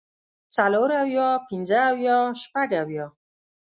څلور اويه پنځۀ اويه شپږ اويه